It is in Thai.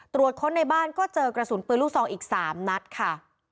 ตรวจค้นในบ้านก็เจอกระสุนปืนลูกซองอีก๓นัดค่ะ